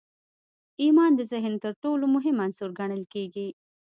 ايمان د ذهن تر ټولو مهم عنصر ګڼل کېږي.